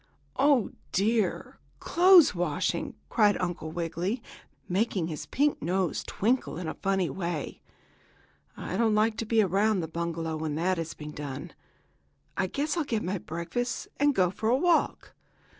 "Oh, dear! Clothes washing!" cried Uncle Wiggily, making his pink nose twinkle in a funny way. "I don't like to be around the bungalow when that is being done. I guess I'll get my breakfast and go for a walk.